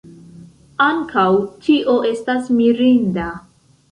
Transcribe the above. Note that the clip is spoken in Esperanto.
Ankaŭ tio estas mirinda.